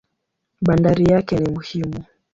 Bandari yake ni muhimu.